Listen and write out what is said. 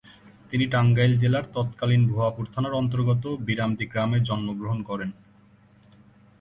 তিনি টাঙ্গাইল জেলার তৎকালীন ভুঞাপুর থানার অন্তর্গত বিরামদী গ্রামে জন্মগ্রহণ করেন।